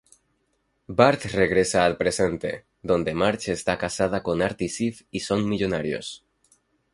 Bart regresa al presente, donde Marge está casada con Artie Ziff y son millonarios.